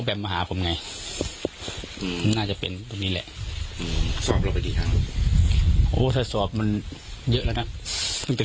เค้าก็พาอาญาติฐนแล้วหากับเค้านั้นเลย